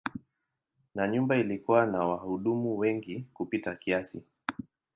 Na nyumba ilikuwa na wahudumu wengi kupita kiasi.